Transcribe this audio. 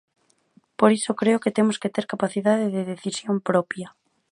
Por iso creo que temos que ter capacidade de decisión propia.